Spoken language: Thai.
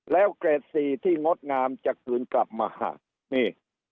แล้วเกรดสี่ที่งดงามจะคืนกลับมาหักนี่